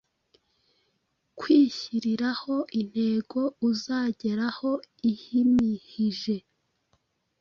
Kwihyiriraho intego uzageraho ihimihije